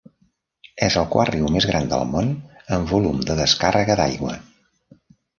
És el quart riu més gran del món en volum de descàrrega d'aigua.